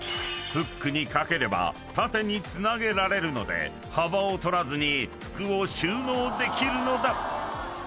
［フックに掛ければ縦につなげられるので幅を取らずに服を収納できるのだ］